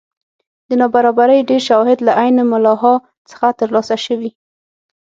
د نابرابرۍ ډېر شواهد له عین ملاحا څخه ترلاسه شوي.